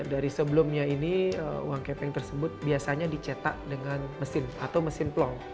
dari sebelumnya ini uang kepeng tersebut biasanya dicetak dengan mesin atau mesin plong